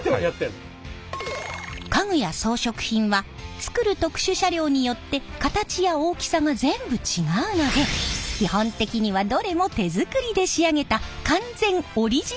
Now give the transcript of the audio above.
家具や装飾品は作る特殊車両によって形や大きさが全部違うので基本的にはどれも手作りで仕上げた完全オリジナルなのです！